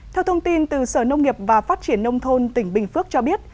theo thông tin từ sở nông nghiệp và phát triển nông thôn tỉnh bình phước cho biết